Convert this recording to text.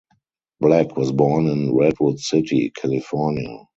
Black was born in Redwood City, California.